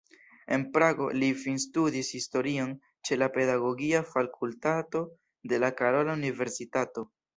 En Prago li finstudis historion ĉe la pedagogia fakultato de la Karola Universitato.